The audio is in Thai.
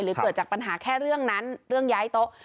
เกิดจากปัญหาแค่เรื่องนั้นเรื่องย้ายโต๊ะ